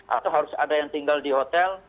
atau harus ada yang tinggal di hotel